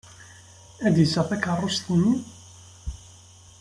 Ad d-iseɣ takeṛṛust-nni?